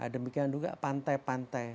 demikian juga pantai pantai